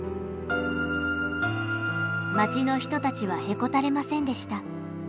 町の人たちはへこたれませんでした。